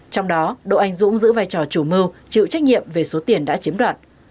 trong đó đội ảnh dũng giữ vai trò chủ mưu chịu trách nhiệm về số tiền đã chiếm đoạt